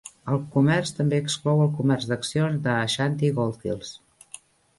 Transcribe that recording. El comerç també exclou el comerç d'accions d'Ashanti Goldfields.